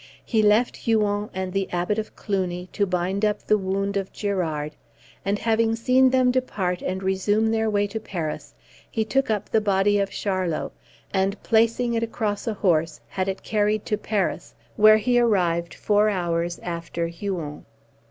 He left Huon and the Abbot of Cluny to bind up the wound of Girard, and, having seen them depart and resume their way to Paris, he took up the body of Charlot, and, placing it across a horse, had it carried to Paris, where he arrived four hours after Huon.